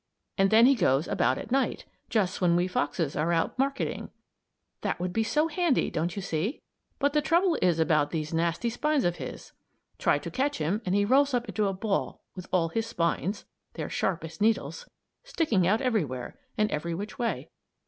And he goes about at night just when we foxes are out marketing. That would be so handy, don't you see; but the trouble is about those nasty spines of his. Try to catch him and he rolls up into a ball with all his spines they're sharp as needles sticking out everywhere, and every which way.